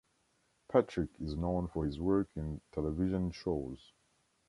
Patrick is known for his work in television shows.